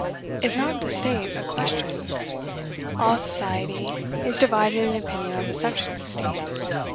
Is not the state a question? All society is divided in opinion on the subject of the state.